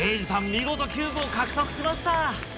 見事キューブを獲得しました。